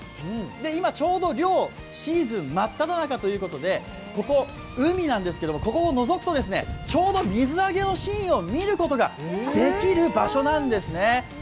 今ちょうど漁シーズン真っただ中ということでここ海なんですけど、ここをのぞくとちょうど水揚げのシーンを見ることができる場所なんですね。